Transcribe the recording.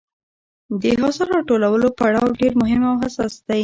د حاصل راټولولو پړاو ډېر مهم او حساس دی.